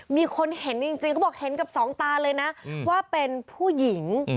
มีคนเห็นกับสองตาเลยว่าเป็นผู้หญิง